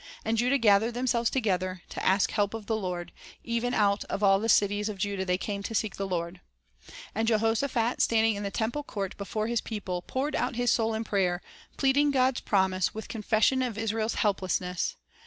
And Judah gathered themselves together, to ask help of the Lord; even out of all the cities of Judah they came to seek the ■ Lord." And Jehoshaphat, standing in the temple court before his people, poured out his soul in prayer, plead ing God's promise, with confession of Israel's helpless ness.